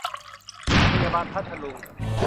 โรงพยาบาลพัทลุง